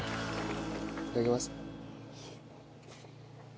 いただきます。